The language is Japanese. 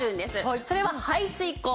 それは排水口。